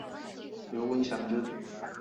刘文翔之子。